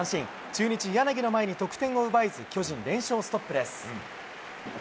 中日、柳の前に、得点を奪えず、巨人、連勝ストップです。